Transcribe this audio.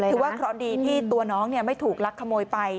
ถือว่าเคราะห์ดีที่ตัวน้องไม่ถูกลักขโมยไป